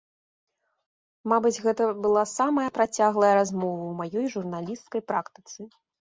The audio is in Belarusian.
Мабыць, гэта была самая працяглая размова ў маёй журналісцкай практыцы.